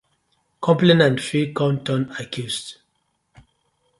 Complainant fit com turn accused.